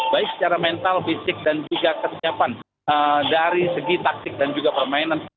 baik secara mental fisik dan juga kesiapan dari segi taktik dan juga permainan